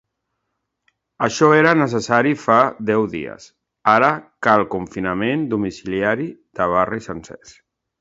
Això era necessari fa deu dies, ara cal confinament domiciliari de barris sencers.